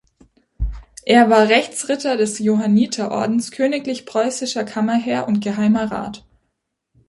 Er war Rechtsritter des Johanniterordens, königlich-preußischer Kammerherr und Geheimer Rat.